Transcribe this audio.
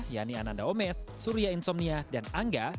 yani ananda omes surya insomnia dan angga